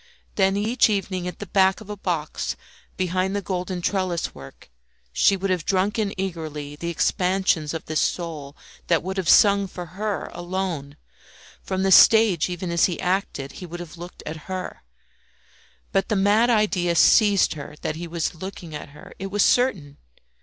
Then each evening, at the back of a box, behind the golden trellis work she would have drunk in eagerly the expansions of this soul that would have sung for her alone; from the stage, even as he acted, he would have looked at her. But the mad idea seized her that he was looking at her; it was certain.